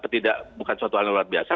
tidak bukan suatu hal yang luar biasa